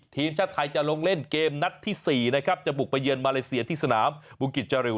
ทีมชาติไทยจะลงเล่นเกมนัดที่๔นะครับจะบุกไปเยือนมาเลเซียที่สนามบุกิจจาริว